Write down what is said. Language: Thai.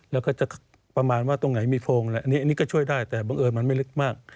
แล้วก็จะประมาณว่าตรงไหนมีโพงอันนี้ก็ช่วยได้แต่บังเอิญมันไม่ลึกมาก